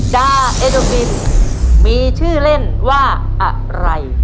ดาเอโดบินมีชื่อเล่นว่าอะไร